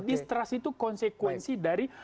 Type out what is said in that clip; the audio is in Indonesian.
distrust itu konsekuensi dari